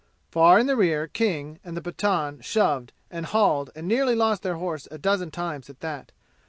Far in the rear King and the Pathan shoved and hauled and nearly lost their horse a dozen times at that.